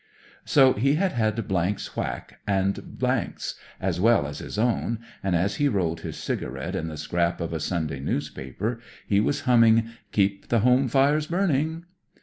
So he had bad ^*s whack and ^'s, as well as his own, and as he rolled his cigarette in the scrap of a Sunday newspaper he was humming * Keep the home fires burning.'